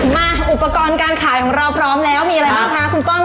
มาอุปกรณ์การขายของเราพร้อมแล้วมีอะไรบ้างคะคุณป้อง